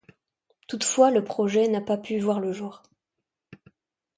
Toutefois, le projet n'a pas pu voir le jour.